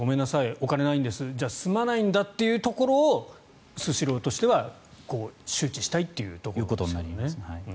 お金ないんですじゃ済まないんだというところをスシローとしては周知したいということですね。